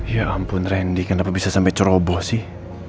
ya ampun randy kenapa bisa sampai ceroboh sih